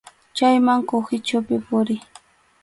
Chayman kuhichupi puriy.